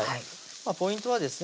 ポイントはですね